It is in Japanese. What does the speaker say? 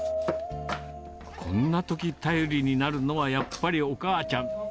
こんなとき、頼りになるのはやっぱりお母ちゃん。